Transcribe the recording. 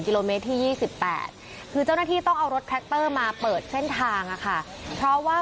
โลเมตรที่๒๘คือเจ้าหน้าที่ต้องเอารถแทรคเตอร์มาเปิดเส้นทางค่ะเพราะว่า